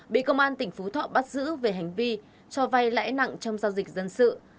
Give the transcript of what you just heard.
bị công an tỉnh phú thọ bắt giữ về hành vi cho vay lãi nặng trong giao dịch dân sự